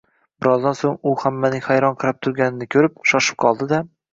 Birozdan so‘ng u, hammaning hayron qarab turganini ko‘rib, shoshib qoldi-da: